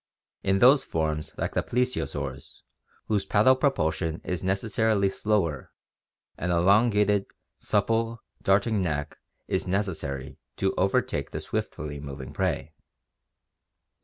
In those forms like the plesio saurs, whose paddle propulsion is necessarily slower, an elongated, supple, darting neck is necessary to overtake the swiftly moving prey.